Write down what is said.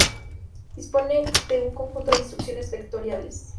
Dispone de un conjunto de instrucciones vectoriales.